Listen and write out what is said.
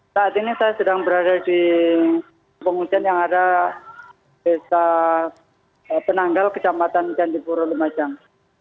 saat ini saya sedang berada di pengungsian yang ada desa penanggal kejamatan jandipuro lemajang